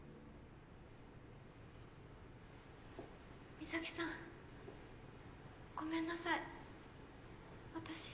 美咲さんごめんなさい私。